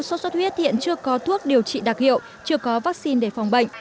sốt xuất huyết hiện chưa có thuốc điều trị đặc hiệu chưa có vaccine để phòng bệnh